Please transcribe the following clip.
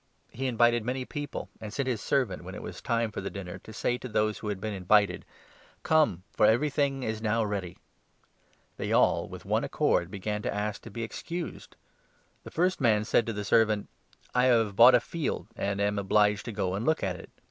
He invited many people, and sent his servant, when it was time for the dinner, to 17 say to those who had been invited ' Come, for everything is now ready.' They all with one accord began to ask to be excused. 18 The first man said to the servant ' I have bought a field and am obliged to go and look at it.